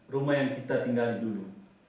rumah yang kita tinggal dulu